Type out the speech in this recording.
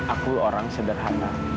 aku orang sederhana